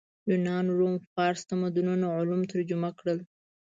یونان روم فارس تمدنونو علوم ترجمه کړل